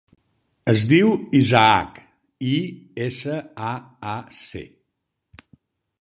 Es diu Isaac: i, essa, a, a, ce.